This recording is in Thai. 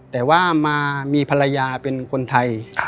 แต่ว่ามามีภรรยาเป็นคนไทย